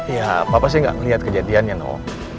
ya papa sih nggak ngelihat kejadiannya noh